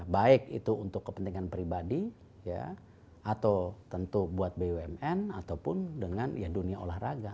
baik itu untuk kepentingan pribadi atau tentu buat bumn ataupun dengan dunia olahraga